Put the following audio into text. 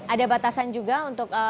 ada batasan juga untuk